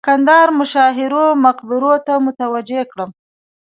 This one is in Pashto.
د کندهار مشاهیرو مقبرو ته متوجه کړم.